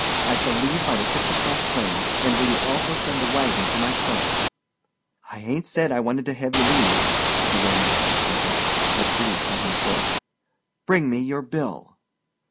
I shall leave by the six o'clock train. And will you also send the wagon for my trunks?" "I hain't said I wanted to hev ye leave——" began Mr. Jacobus; but Brede cut him short. "Bring me your bill."